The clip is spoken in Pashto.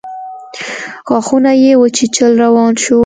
غاښونه يې وچيچل روان شو.